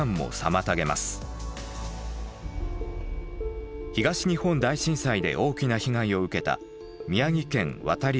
更に東日本大震災で大きな被害を受けた宮城県亘理町荒浜地区。